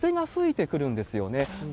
でも、少し風が吹いてくるんですよね。